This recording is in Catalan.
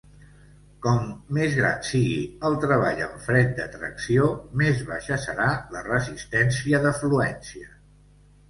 Com més gran sigui el treball en fred de tracció, més baixa serà la resistència de fluència.